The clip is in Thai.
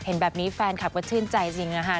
เห็นแบบนี้แฟนคลับก็ชื่นใจจริงนะคะ